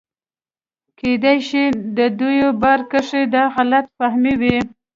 کېدے شي دَدوي باره کښې دا غلط فهمي وي